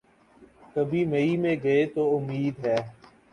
کبھی مئی میں گئے تو امید ہے۔